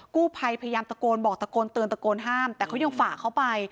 กู้ภัยพยายามตะโกนบอกตะโกนเตือนตะโกนห้ามแต่เขายังฝ่าเขาไป